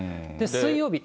水曜日。